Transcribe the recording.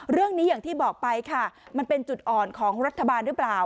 อย่างที่บอกไปค่ะมันเป็นจุดอ่อนของรัฐบาลหรือเปล่า